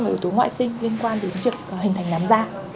và yếu tố ngoại sinh liên quan đến việc hình thành làm da